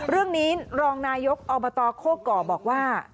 เรื่องนี้รองนายกอบตโคก่อบอกว่า